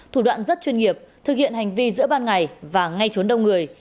thủ đoạn rất chuyên nghiệp thực hiện hành vi giữa ban ngày và ngay trốn đông người